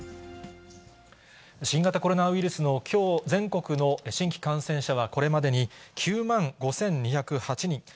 新型コロナウイルスのきょう、全国の新規感染者は、これまでに９万５２０８人。